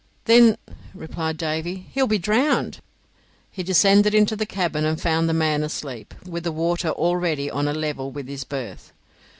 "Then," replied Davy, "he'll be drowned!" He descended into the cabin and found the man asleep, with the water already on a level with his berth.